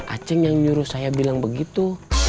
aceh yang nyuruh saya bilang begitu